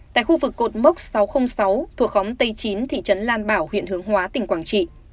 tại khu vực cột mốc sáu trăm linh sáu thuộc khóm tây chín thị trấn lan bảo huyện hướng hóa tỉnh quảng trị